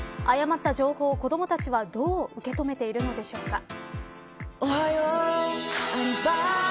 誤った情報を子どもたちはどう受け止めているのでしょうか。